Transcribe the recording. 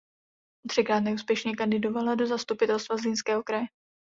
Třikrát neúspěšně kandidovala do Zastupitelstva Zlínského kraje.